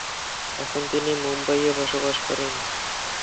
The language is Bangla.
এখন তিনি মুম্বাইয়ে বসবাস করেন।